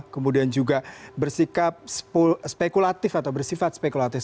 kemudian juga bersikap spekulatif atau bersifat spekulatif